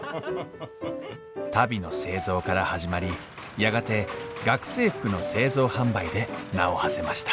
足袋の製造から始まりやがて学生服の製造販売で名をはせました。